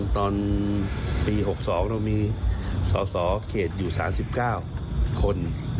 ตอนปี๖๒เรามีสอสอเขตอยู่๓๙คน